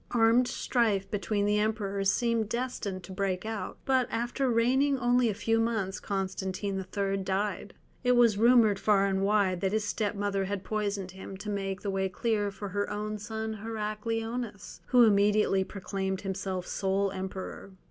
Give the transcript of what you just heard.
Armed strife between the Emperors seemed destined to break out, but after reigning only a few months Constantine III. died. It was rumoured far and wide that his step mother had poisoned him, to make the way clear for her own son Heracleonas, who immediately proclaimed himself sole emperor.